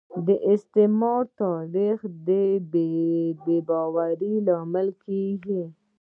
د استعمار تاریخ د بې باورۍ لامل کیږي